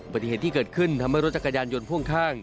ปฏิเหตุที่เกิดขึ้นทำให้รถจักรยานยนต์พ่วงข้าง